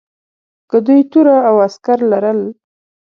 که دوی توره او عسکر لرل.